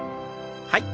はい。